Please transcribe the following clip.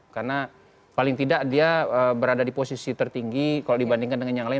karena paling tidak dia berada di posisi tertinggi kalau dibandingkan dengan yang lain